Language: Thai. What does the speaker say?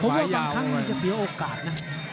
เพราะว่าบางครั้งจะเสียโอกาสนะ